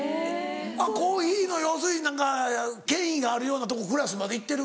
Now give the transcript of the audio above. コーヒーの要するに何か権威があるようなとこクラスまで行ってるんだ。